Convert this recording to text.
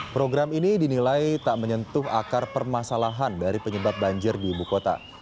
program ini dinilai tak menyentuh akar permasalahan dari penyebab banjir di ibu kota